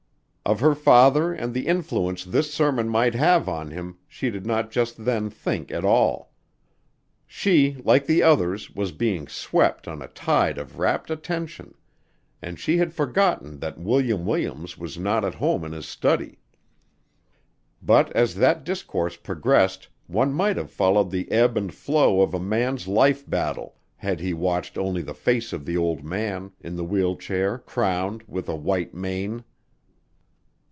Of her father and the influence this sermon might have on him she did not just then think at all. She like the others was being swept on a tide of rapt attention and she had forgotten that William Williams was not at home in his study. But as that discourse progressed one might have followed the ebb and flow of a man's life battle, had he watched only the face of the old man, in the wheel chair, crowned with a white mane.